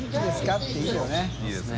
っていいよね。